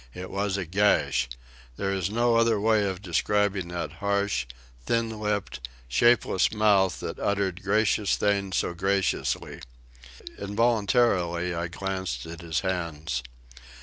It was a gash. There is no other way of describing that harsh, thin lipped, shapeless mouth that uttered gracious things so graciously. Involuntarily I glanced at his hands.